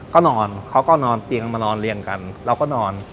ก็นอนเขาก็นอนเตียงมานอนเรียงกันเราก็นอน